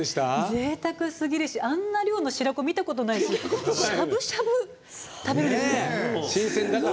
ぜいたくすぎるしあんな量の白子見たことないししゃぶしゃぶ？